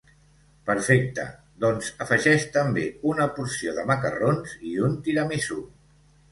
Perfecte doncs afegeix també una porció de macarrons, i un tiramisú.